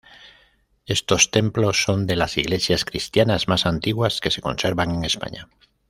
Estos templos son de las iglesias cristianas más antiguas que se conservan en España.